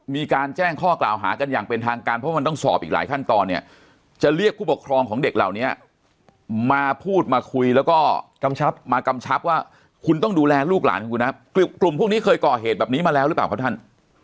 มาคุยแล้วก็มากำชับว่าคุณต้องดูแลลูกหลานคุณครับกลุ่มพวกนี้เคยก่อเหตุแบบนี้มาแล้วรึเปล่าครับท่าน